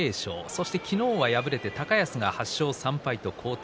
そして昨日は敗れて高安が８勝３敗と後退。